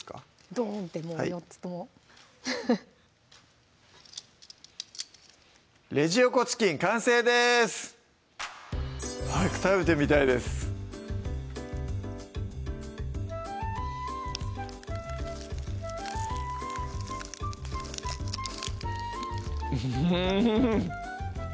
ドーンってもう４つとも「レジ横チキン」完成です早く食べてみたいですうん！